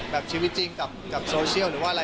ชีวิตจริงกับโซเชียลหรือว่าอะไร